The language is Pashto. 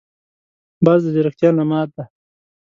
باز د ځیرکتیا نماد دی